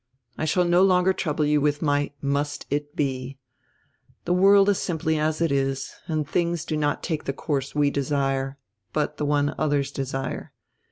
I shall no longer trouble you with my 'must it be.' The world is simply as it is, and tilings do not take die course we desire, but die one others desire.